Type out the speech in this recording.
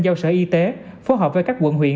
giao sở y tế phối hợp với các quận huyện